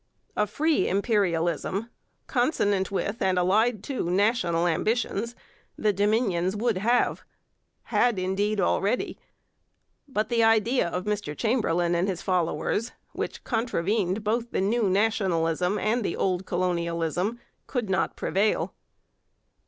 A free imperialism, consonant with and allied to national ambitions, the Dominions would have, had indeed already, but the idea of Mr Chamberlain and his followers, which contravened both the new nationalism and the old colonialism, could not prevail.